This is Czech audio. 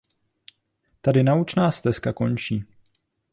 Tady naučná stezka končí.